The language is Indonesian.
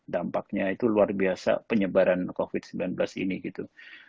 dampaknya itu luar biasa penyebaran covid sembilan belas ini gitu